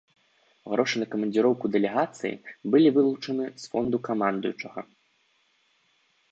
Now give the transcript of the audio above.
Грошы на камандзіроўку дэлегацыі былі вылучаны з фонду камандуючага.